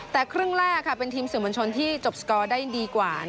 แต่ครึ่งแรกเป็นทีมสื่อมวลชนที่จบสกอร์ได้ดีกว่า